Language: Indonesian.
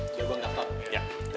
udah gue angkat